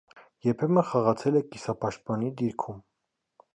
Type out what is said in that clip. Երբեմն խաղացել է կիսապաշտպանի դիրքում։